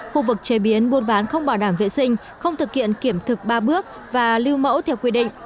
khu vực chế biến buôn bán không bảo đảm vệ sinh không thực hiện kiểm thực ba bước và lưu mẫu theo quy định